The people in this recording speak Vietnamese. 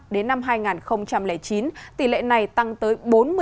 đến năm hai nghìn chín tỷ lệ này tăng tới bốn mươi